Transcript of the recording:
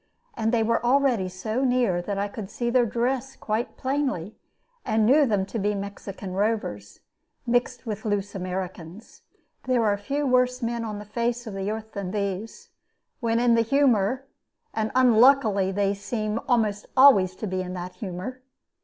And they were already so near that I could see their dress quite plainly, and knew them to be Mexican rovers, mixed with loose Americans. There are few worse men on the face of the earth than these, when in the humor, and unluckily they seem almost always to be in that humor.